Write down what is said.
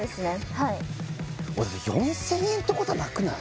はい４０００円ってことはなくない？